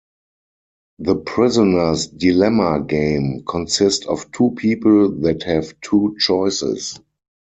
The Prisoner's Dilemma game consist of two people that have two choices.